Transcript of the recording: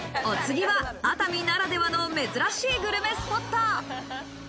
お次は熱海ならではの珍しいグルメスポット。